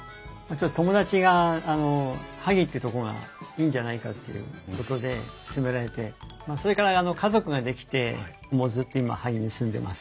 友達が萩ってとこがいいんじゃないかっていうことで勧められてそれから家族が出来てもうずっと今萩に住んでます。